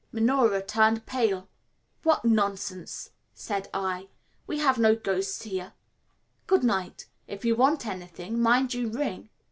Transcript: Minora turned pale. "What nonsense," said I; "we have no ghosts here. Good night. If you want anything, mind you ring."